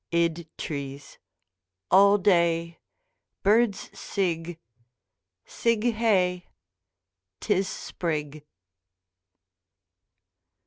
Id trees All day Birds sig. Sig Hey! 'Tis Sprig!